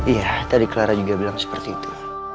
iya tadi clara juga bilang seperti itu